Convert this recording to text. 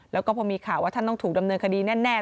แล้วก็พอมีข่าวว่าท่านต้องถูกดำเนินคดีแน่